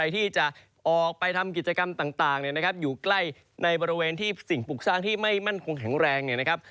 ที่จะออกไปทำกิจกรรมต่างอยู่ใกล้ในบริเวณที่สิ่งปลูกสร้างที่ไม่มั่นคงแข็งแรงเนี่ยนะครับ